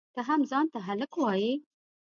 ته هم ځان ته هلک وایئ؟!